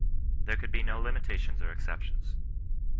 There could be no limitations or exceptions.